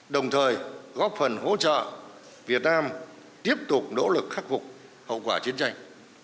đồng thời góp phần hỗ trợ việt nam tiếp tục nỗ lực khắc phục hậu quả chiến tranh